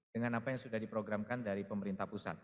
dengan apa yang sudah diprogramkan dari pemerintah pusat